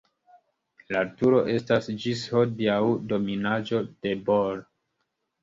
La turo estas ĝis hodiaŭ dominaĵo de Bor.